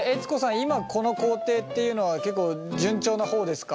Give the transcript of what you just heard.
今この工程っていうのは結構順調な方ですか？